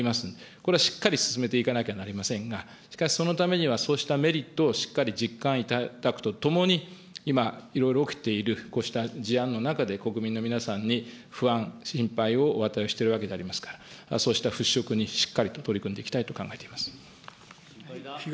これはしっかり進めていかなきゃなりませんが、しかしそのためには、そうしたメリットをしっかり実感いただくとともに、今、いろいろ起きているこうした事案の中で、国民の皆さんに不安、心配をお与えしているわけでありますから、そうした払拭にしっかりと取り組んでいきたいと考えております。